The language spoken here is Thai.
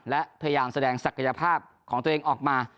และพยายามแสดงศักยภาพของตัวเองออกมา